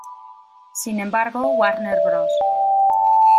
Sin embargo, Warner Bros.